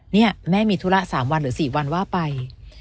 นี่แม่มีธุระ๓วันหรือ๔วันว่าไป